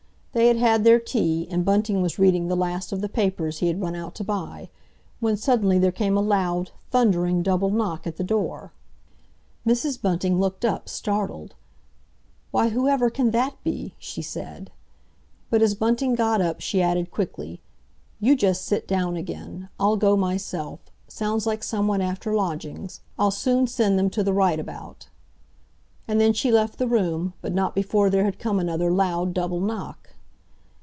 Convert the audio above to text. They had had their tea, and Bunting was reading the last of the papers he had run out to buy, when suddenly there came a loud, thundering, double knock at the door. Mrs. Bunting looked up, startled. "Why, whoever can that be?" she said. But as Bunting got up she added quickly, "You just sit down again. I'll go myself. Sounds like someone after lodgings. I'll soon send them to the right about!" And then she left the room, but not before there had come another loud double knock.